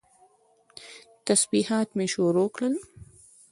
تسبيحات مې شروع کړل.